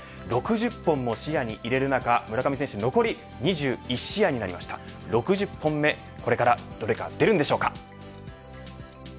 ６０本も視野に入れる中村上選手残り２１試合６０本目これから出るんでしょうか。